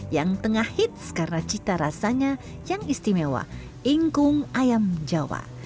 yang tengah hits karena cita rasanya yang istimewa ingkung ayam jawa